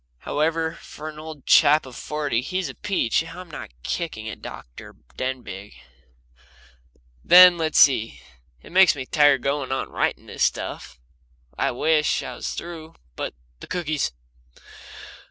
However, for an old chap of forty, he's a peach. I'm not kicking at Dr. Denbigh. Then let's see (It makes me tired to go on writing this stuff I wish I was through. But the cookies!